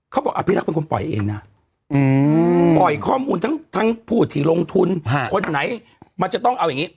อภิรักษ์เป็นคนปล่อยเองนะปล่อยข้อมูลทั้งผู้ที่ลงทุนคนไหนมันจะต้องเอาอย่างนี้